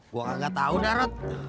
gue gak tau dah rod